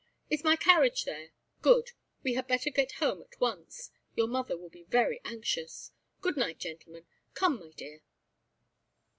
Is my carriage there? Good, we had better get home at once; your mother will be very anxious. Good night, gentlemen. Come, my dear."